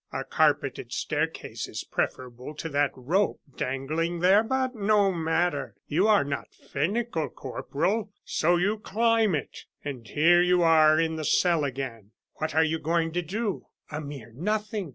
A carpeted staircase is preferable to that rope dangling there. But no matter, you are not finical, Corporal! So you climb it, and here you are in the cell again. What are you going to do? A mere nothing.